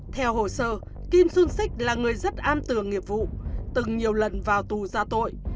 theo hồ sơ kim xuân xích là người rất am tường nghiệp vụ từng nhiều lần vào tù ra tội